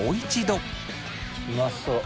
うまそう。